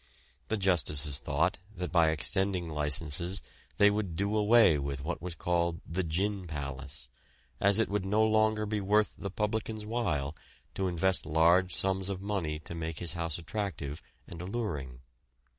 The justices thought that by extending licences they would do away with what was called the "gin palace," as it would no longer be worth the publican's while to invest large sums of money to make his house attractive and alluring.